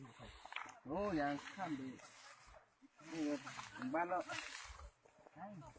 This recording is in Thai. มันก็ภาวนาอยู่ที่น้อง